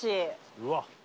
うわっ。